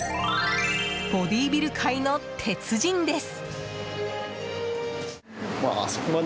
ボディービル界の鉄人です。